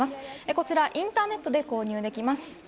こちらインターネットで購入できます。